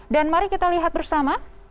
dan mari kita lihat bersama